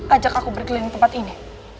ajak aku berkeliling tempat ini